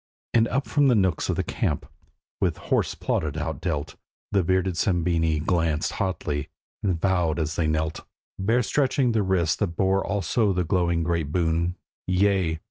And up from the nooks of the camp, with hoarse plaudit outdealt, The bearded Sabini glanced hotly, and vowed as they knelt, Bare stretching the wrists that bore also the glowing great boon: 'Yea!